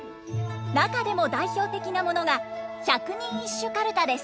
中でも代表的なものが百人一首かるたです。